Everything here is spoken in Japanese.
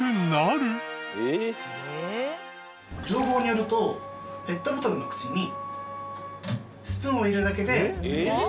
情報によるとペットボトルの口にスプーンを入れるだけでできるそうです。